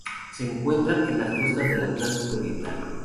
Se encuentran en las costas del atlántico oriental.